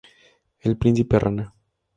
El principe rana